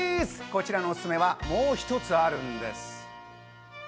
こちらのおすすめは、もう一つあるんです。